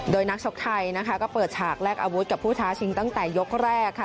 โดยนักชกไทยนะคะก็เปิดฉากแลกอาวุธกับผู้ท้าชิงตั้งแต่ยกแรกค่ะ